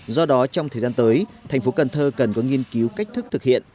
do đó trong thời gian tới thành phố cần thơ cần có nghiên cứu cách thức thực hiện